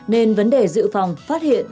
nên vấn đề giữ phòng phát hiện